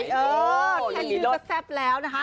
แค่ยืนก็แซ่บแล้ว